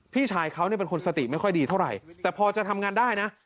พี่ชายเขาเนี่ยเป็นคนสติไม่ค่อยดีเท่าไหร่แต่พอจะทำงานได้นะ